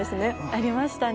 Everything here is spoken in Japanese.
ありましたね。